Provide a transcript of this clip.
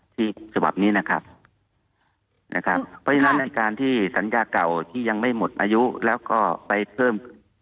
ทีนี่นะว่าการที่สัญญาก่อกลัวที่ยังไม่หมดอายุแล้วก็ไปเพิ่ม